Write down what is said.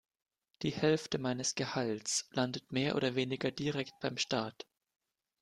Die Hälfte meines Gehalts landet mehr oder weniger direkt beim Staat.